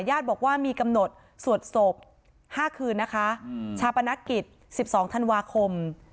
ญาติบอกว่ามีกำหนดสวดศพ๕คืนนะคะชาปนกิจ๑๒ธันวาคม